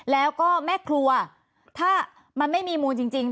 แล้วก็แม่ครัวถ้ามันไม่มีมูลจริง